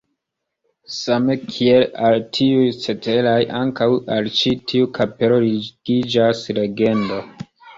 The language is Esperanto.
Same kiel al tiuj ceteraj, ankaŭ al ĉi tiu kapelo ligiĝas legendo.